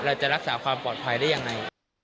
เราจะรักษาความปลอดภัยได้ยังไง